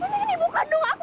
mami ini bukandung aku